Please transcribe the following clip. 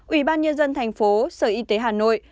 ủy ban nhân dân thành phố sở y tế hà nội